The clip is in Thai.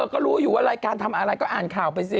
ก็รู้อยู่ว่ารายการทำอะไรก็อ่านข่าวไปสิ